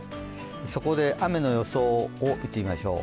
そこで雨の予想を見てみましょう。